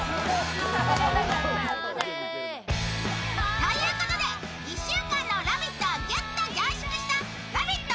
ということで１週間の「ラヴィット！」をぎゅっと凝縮した「ラヴィット！」